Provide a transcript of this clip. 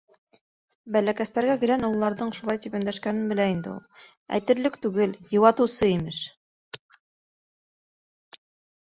Бәләкәстәргә гелән ололарҙың шулай тип өндәшкәнен белә инде ул. Әйтерлек түгел, йыуатыусы, имеш!